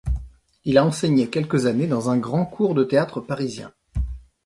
Il a enseigné quelques années dans un grand cours de théâtre parisien.